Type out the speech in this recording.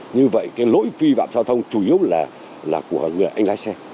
như vậy cái lỗi vi phạm giao thông chủ yếu là của người anh lái xe